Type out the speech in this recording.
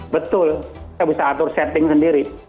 betul kita bisa atur setting sendiri